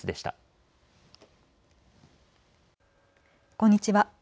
こんにちは。